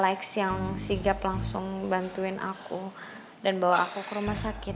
likes yang sigap langsung bantuin aku dan bawa aku ke rumah sakit